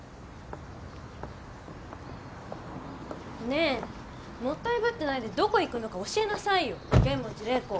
ねえもったいぶってないでどこ行くのか教えなさいよ剣持麗子。